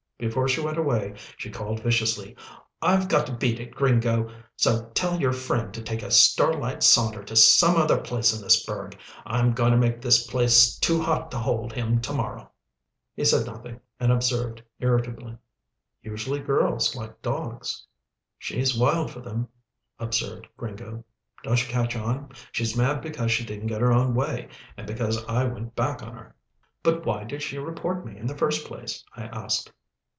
Before she went away, she called viciously, "I've got to beat it, Gringo, so tell your friend to take a starlight saunter to some other place in this burg. I'm goin' to make this place too hot to hold him to morrow." He said nothing, and I observed irritably, "Usually girls like dogs." "She's wild for them," observed Gringo. "Don't you catch on? She's mad because she didn't get her own way, and because I went back on her." "But why did she report me, in the first place?" I asked.